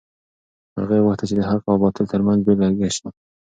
مرغۍ غوښتل چې د حق او باطل تر منځ بېلګه شي.